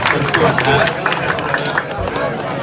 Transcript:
ขอบคุณครับ